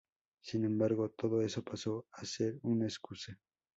Sin embargo, todo eso pasó a ser una excusa.